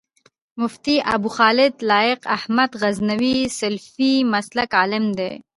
مفتي ابوخالد لائق احمد غزنوي سلفي مسلک عالم دی